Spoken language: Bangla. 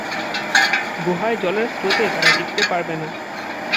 গুহায় জলের স্রোতে তারা টিকতে পারবে না।